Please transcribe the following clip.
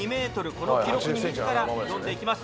この記録に自ら挑んでいきます